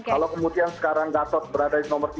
kalau kemudian sekarang gatot berada di nomor tiga